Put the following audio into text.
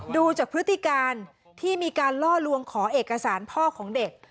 ดูจากพฤติการที่มีการล่อลวงขอเอกสารพ่อของเด็ก